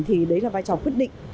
thì đấy là vai trò quyết định